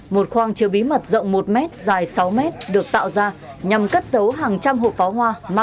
một khoang chiều bí mật rộng một m dài sáu m